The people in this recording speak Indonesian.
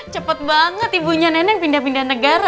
cepet banget ibunya nenek pindah pindah negara